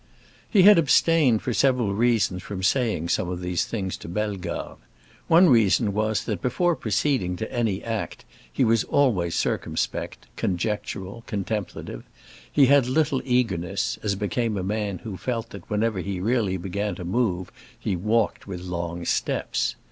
He had abstained for several reasons from saying some of these things to Bellegarde. One reason was that before proceeding to any act he was always circumspect, conjectural, contemplative; he had little eagerness, as became a man who felt that whenever he really began to move he walked with long steps.